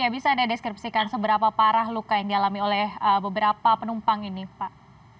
bisa anda deskripsikan seberapa parah luka yang dialami oleh beberapa penumpang ini pak